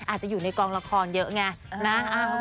อาจจะอยู่ในกองละครเยอะไงนะ